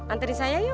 antari saya yuk